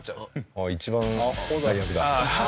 あっ一番最悪だ。